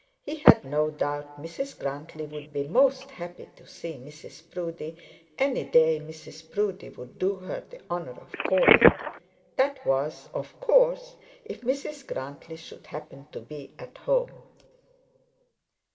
He had no doubt Mrs Grantly would be most happy to see Mrs Proudie any day Mrs Proudie would do her the honour of calling: that was, of course, if Mrs Grantly should happen to be at home.